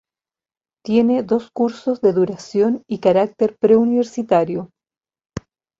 Tiene dos cursos de duración y carácter preuniversitario.